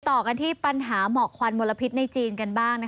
ต่อกันที่ปัญหาหมอกควันมลพิษในจีนกันบ้าง